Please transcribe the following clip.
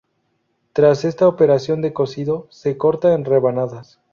Tras esta operación de cocido, se corta en rebanadas.